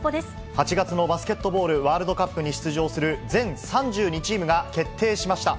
８月のバスケットボールワールドカップに出場する全３２チームが決定しました。